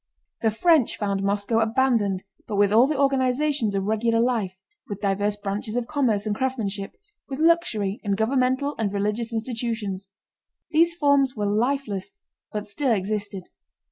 The French found Moscow abandoned but with all the organizations of regular life, with diverse branches of commerce and craftsmanship, with luxury, and governmental and religious institutions. These forms were lifeless but still existed.